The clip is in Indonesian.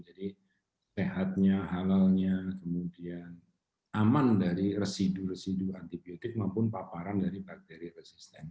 jadi sehatnya halalnya kemudian aman dari residu residu antibiotik maupun paparan dari bakteri resistensi